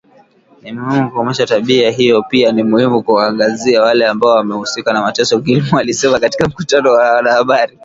Ni muhimu kukomesha tabia hiyo pia ni muhimu kuwaangazia wale ambao wamehusika na mateso Gilmore alisema katika mkutano na wanahabari.